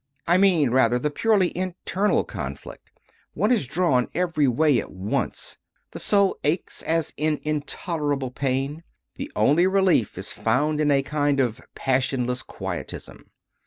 I mean rather the purely internal conflict. One is drawn every way at once; the soul aches as in intolerable pain; the only relief is found in a kind of passionless Quietism.